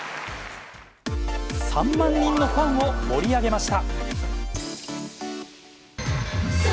３万人のファンを盛り上げました。